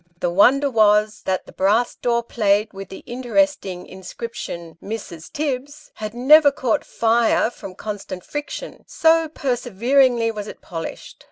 The wonder was, that the brass door plate, with the interesting inscription " MRS. TIBBS," had never caught fire from constant friction, so perseveringly was it polished.